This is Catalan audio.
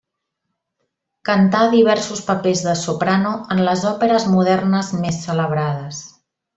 Cantà diversos papers de soprano en les òperes modernes més celebrades.